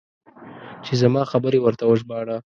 چې زما خبرې ورته وژباړه.